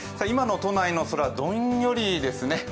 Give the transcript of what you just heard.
今の都内の空、どんよりですね。